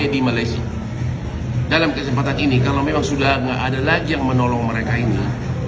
dalam kesempatan ini kalau memang sudah tidak ada lagi yang menolong mereka ini